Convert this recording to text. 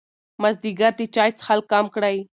مازدیګر د چای څښل کم کړئ.